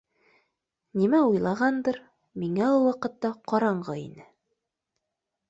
Нимә уйлағандыр, миңә ул ваҡытта ҡараңғы ине.